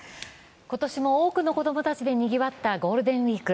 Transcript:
今年も多くの子供たちでにぎわったゴールデンウイーク。